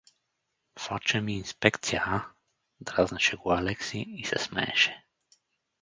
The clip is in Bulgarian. — Фачем инспекция, а? — дразнеше го Алекси и се смееше.